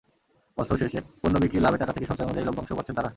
বছর শেষে পণ্য বিক্রির লাভের টাকা থেকে সঞ্চয় অনুযায়ী লভ্যাংশও পাচ্ছেন তাঁরা।